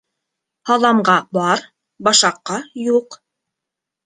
Һаламға бар, башаҡҡа юҡ.